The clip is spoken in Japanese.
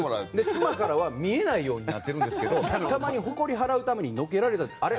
妻からは見えないようになってるんですけどたまに、ほこりを払うためにどけられた時にあれ？